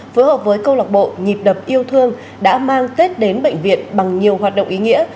phối hợp với câu lạc bộ nhịp đập yêu thương đã mang tết đến bệnh viện bằng nhiều hoạt động ý nghĩa